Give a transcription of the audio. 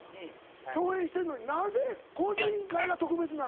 共演してんのになぜ『向上委員会』が特別なのか？